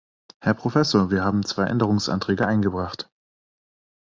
Herr Professor, wir haben zwei Änderungsanträge eingebracht.